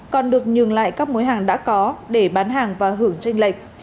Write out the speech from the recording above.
còn được nhường lại các mối hàng đã có để bán hàng và hưởng tranh lệch